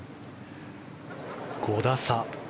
５打差。